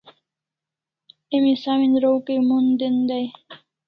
Emi sawin raw kai mon den dai